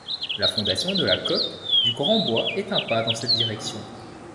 La fondation de la Coop du Grand-Bois est un pas dans cette direction.